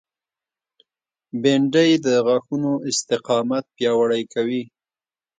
بېنډۍ د غاښونو استقامت پیاوړی کوي